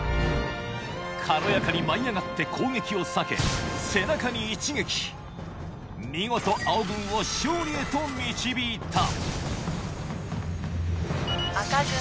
軽やかに舞い上がって攻撃を避け背中に一撃見事青軍を勝利へと導いた赤軍。